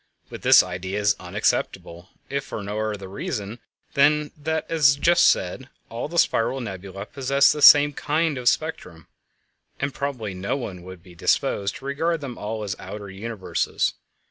But this idea is unacceptable if for no other reason than that, as just said, all the spiral nebulæ possess the same kind of spectrum, and probably no one would be disposed to regard them all as outer universes.